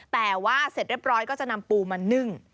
แต่ว่าเสร็จเรียบร้อยก็จะนำปูมานึ่ง